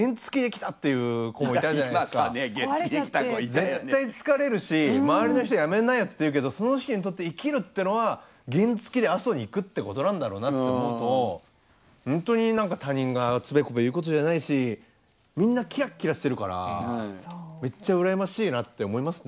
絶対疲れるし周りの人「やめなよ」って言うけどその人にとって生きるっていうのは原付で阿蘇に行くってことなんだろうなって思うとほんとに他人がつべこべ言うことじゃないしみんなキラキラしてるからめっちゃ羨ましいなって思いますね。